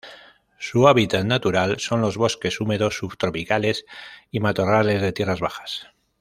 Su hábitat natural son los bosques húmedos subtropicales y matorrales de tierras bajas.